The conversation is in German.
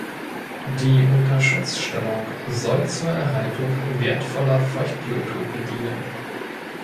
Die Unterschutzstellung soll zur Erhaltung wertvoller Feuchtbiotope dienen.